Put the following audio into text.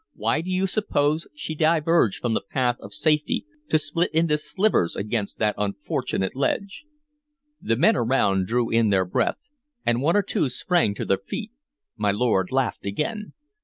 Why do you suppose she diverged from the path of safety to split into slivers against that fortunate ledge?" The men around drew in their breath, and one or two sprang to their feet. My lord laughed again.